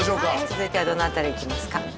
続いてはどの辺りいきますか？